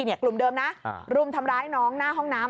กลุ่มเดิมนะรุมทำร้ายน้องหน้าห้องน้ำ